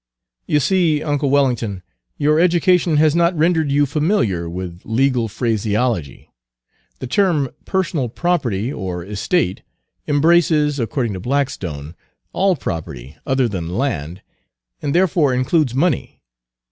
"You see, uncle Wellington, your education has not rendered you familiar with legal phraseology. The term 'personal property' or 'estate' embraces, according to Blackstone, all property other than land, and therefore includes money.